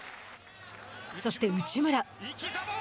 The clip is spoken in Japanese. そして、内村。